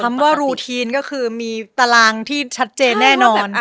คำว่ารูทีนก็คือมีตารางที่ชัดเจนแน่นอน